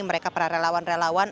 mereka para relawan relawan